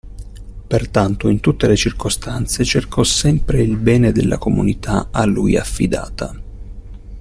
Pertanto, in tutte le circostanze cercò sempre il bene della comunità a lui affidata.